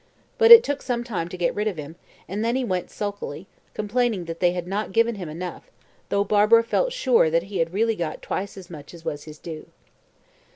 But it took some time to get rid of him, and then he went sulkily, complaining that they had not given him enough, though Barbara felt sure he had really got twice as much as was his due.